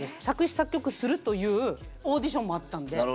作詞・作曲するというオーディションもあったんで。